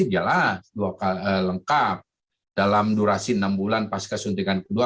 ya lah lengkap dalam durasi enam bulan pas kesuntikan kedua